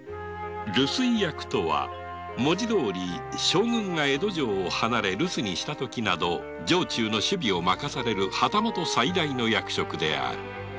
「留守居役」とは将軍が江戸城を離れ留守にする時など城中の守備を任される旗本最大の役職である。